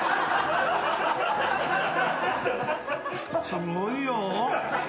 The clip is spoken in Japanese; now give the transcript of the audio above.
すごいよ。